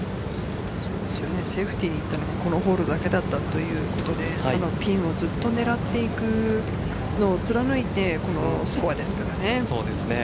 セーフティーにいったのもこのホールだけだったというピンをずっと狙っていくのを貫いてこのスコアです。